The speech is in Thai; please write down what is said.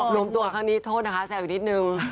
รวมตัวครั้งนี้โทษนะคะแซวอีกนิดนึง